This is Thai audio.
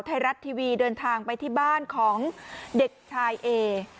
ไทยรัฐทีวีเดินทางไปที่บ้านของเด็กชายเอ